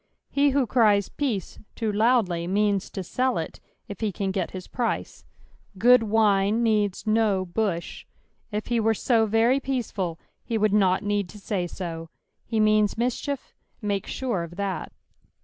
He who cries " peace" too loudly, means to sell it if he can get his price. " Oood wine needs no btiah :" if he were so very peaceful he would not need to say so : he means mischief, make sure of that.